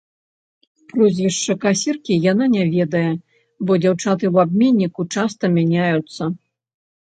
Прозвішча касіркі яна не ведае, бо дзяўчаты ў абменніку часта мяняюцца.